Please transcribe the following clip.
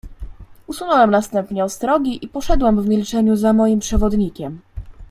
"Usunąłem następnie ostrogi i poszedłem w milczeniu za moim przewodnikiem."